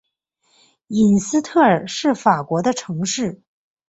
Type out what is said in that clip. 伊斯特尔是法国的城市。